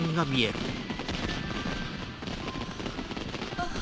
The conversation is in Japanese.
あっ。